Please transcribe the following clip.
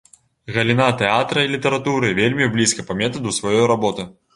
Галіна тэатра і літаратуры вельмі блізка па метаду сваёй работы.